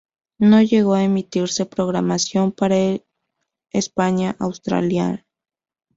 No llegó a emitirse programación para el España-Australia.